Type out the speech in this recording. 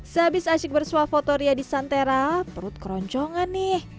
sehabis asyik bersuah foto ria di santera perut keroncongan nih